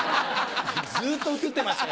ずっと映ってましたよ